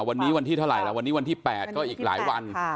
วันนี้วันที่เท่าไหร่แล้ววันนี้วันที่๘ก็อีกหลายวัน